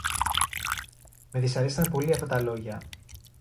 Με δυσαρέστησαν πολύ αυτά τα λόγια